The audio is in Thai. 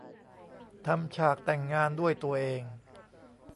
ทำฉากแต่งงานด้วยตัวเอง